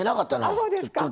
あそうですか。